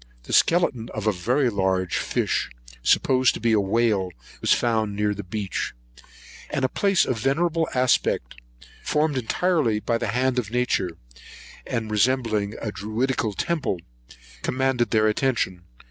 The skeleton of a very large fish, supposed to be a whale, was found near the beach; and a place of venerable aspect, formed entirely by the hand of Nature, and resembling a Druidical temple, commanded their attention.